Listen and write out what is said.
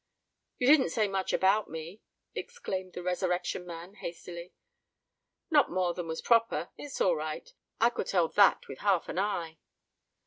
"You didn't say much about me?" exclaimed the Resurrection Man, hastily. "Not more than was proper. It's all right—I could tell that with half an eye."